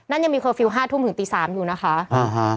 นั่นยังมีเคอร์ฟิลลห้าทุ่มถึงตีสามอยู่นะคะอ่าฮะ